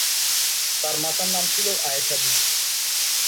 তার মাতার নাম ছিল আয়েশা বিবি।